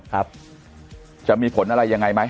ครับจะมีผลอะไรอย่างไรนะครับ